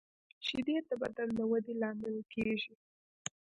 شیدې د بدن د ودې لامل کېږي